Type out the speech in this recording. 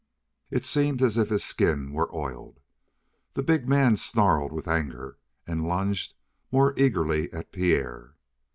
It seemed as if his skin were oiled. The big man snarled with anger, and lunged more eagerly at Pierre.